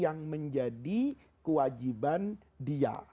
yang menjadi kewajiban dia